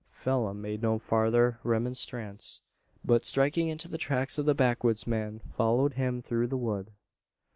Phelim made no farther remonstrance; but, striking into the tracks of the backwoodsman, followed him through the wood.